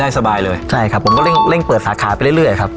สบายเลยใช่ครับผมก็เร่งเร่งเปิดสาขาไปเรื่อยครับ